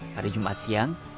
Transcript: pada jumat siang